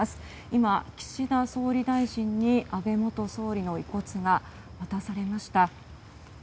今、岸田総理大臣に安倍元総理の遺骨が渡されました。